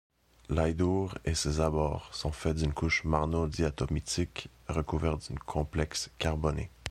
L’Aïdour et ses abords sont faits d'une couche marno-diatomitique recouverte d'une complexe carboné.